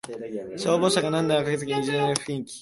消防車が何台も駆けつけ尋常ではない雰囲気